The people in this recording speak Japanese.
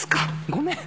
ごめん！